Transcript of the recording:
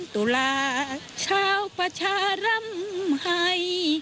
๑๓ตุลาคมเช้าประชารำให้